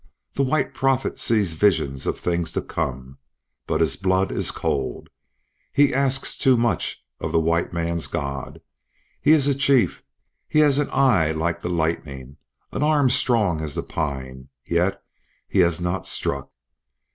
The White Prophet sees visions of things to come, but his blood is cold. He asks too much of the white man's God. He is a chief; he has an eye like the lightning, an arm strong as the pine, yet he has not struck.